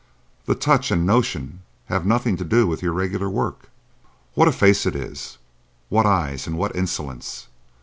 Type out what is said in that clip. "The touch and notion have nothing to do with your regular work. What a face it is! What eyes, and what insolence!"